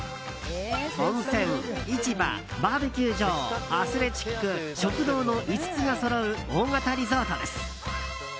温泉、市場、バーベキュー場アスレチック、食堂の５つがそろう大型リゾートです。